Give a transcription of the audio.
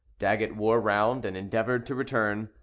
Daggett wore round, and endeavored to return.